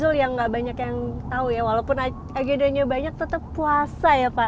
enggak banyak yang tahu ya walaupun agendanya banyak tetap puasa ya pak